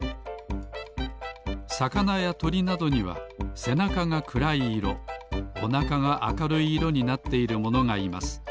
さかなやとりなどにはせなかがくらい色おなかがあかるい色になっているものがいます